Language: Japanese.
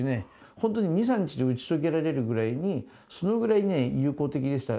ホントに２３日で打ち解けられるぐらいにそのぐらいね友好的でした○